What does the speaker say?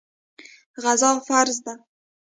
غزا فرض ده.